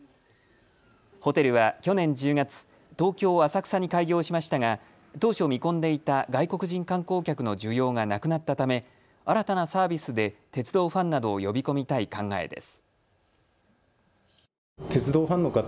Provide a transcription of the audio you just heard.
ホテルは去年１０月、東京浅草に開業しましたが当初見込んでいた外国人観光客の需要がなくなったため新たなサービスで鉄道ファンなどを呼び込みたい考えです。